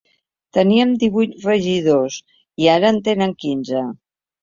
Tenien divuit regidors i ara en tenen quinze.